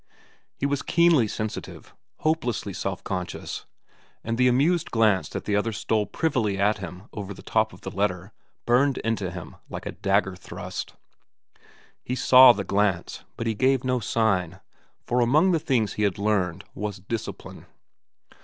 He was keenly sensitive, hopelessly self conscious, and the amused glance that the other stole privily at him over the top of the letter burned into him like a dagger thrust. He saw the glance, but he gave no sign, for among the things he had learned was discipline.